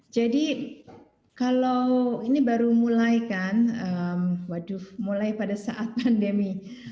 jadi kalau ini baru mulai kan waduh mulai pada saat pandemi